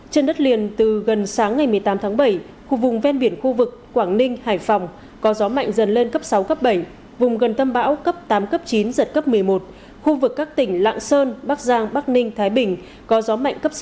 trên đất liền từ gần sáng ngày một mươi tám tháng bảy khu vùng ven biển khu vực quảng ninh hải phòng có gió mạnh dần lên cấp sáu cấp bảy vùng gần tâm bão cấp tám cấp chín giật cấp một mươi một khu vực các tỉnh lạng sơn bắc giang bắc ninh thái bình có gió mạnh cấp sáu